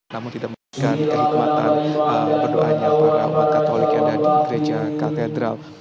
namun tidak memberikan kehikmatan berdoanya para umat katolik yang ada di gereja katedral